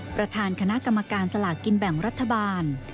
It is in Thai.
ประธานคณะกรรมการสลากกินแบ่งรัฐบาล